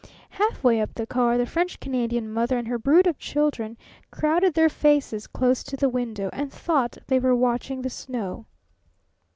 Halfway up the car the French Canadian mother and her brood of children crowded their faces close to the window and thought they were watching the snow.